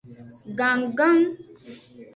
Gannggan.